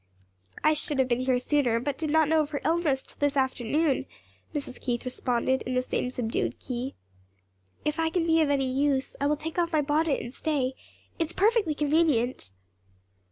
"I should have been here sooner, but did not know of her illness till this afternoon," Mrs. Keith responded in the same subdued key. "If I can be of any use, I will take off my bonnet and stay; it is perfectly convenient."